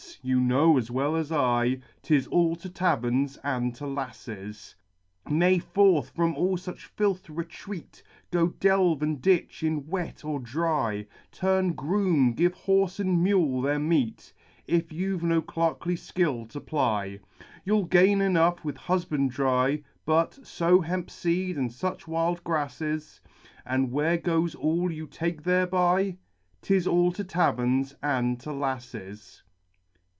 You know as well as I, 'Tis all to taverns and to lasses ! 6o XXXII BALLADES Nay, forth from all such filth retreat," Go delve and ditch, in wet or dry, Turn groom, give horse and mule their meat, If you've no clerkly skill to ply ; You'll gain enough, vi ith husbandry, But — sow hempseed and such wild grasses, And where goes all you take thereby ?— 'Tis all to taverns and to lasses